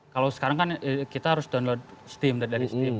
kalau sekarang kan kita harus download steam dari steam